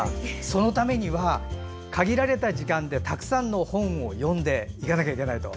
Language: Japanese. そのためには限られた時間でたくさんの本を読んでいかなきゃいけないと。